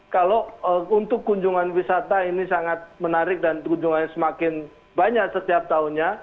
kalau untuk kunjungan wisata ini sangat menarik dan kunjungannya semakin banyak setiap tahunnya